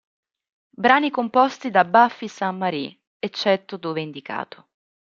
Brani composti da Buffy Sainte-Marie, eccetto dove indicato